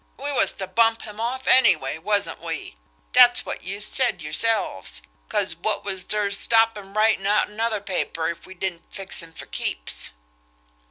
We was to bump him off, anyway, wasn't we? Dat's wot youse said yerselves, 'cause wot was ter stop him writin' out another paper if we didn't fix him fer keeps?"